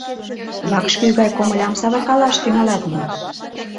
Вакш кӱ гай комылям савыркалаш тӱҥалат мо?